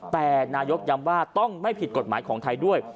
แต่นายกย้ำว่าต้องไม่ผิดกฎหมายของไทยด้วย